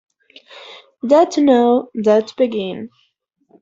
Dare to know, dare to begin!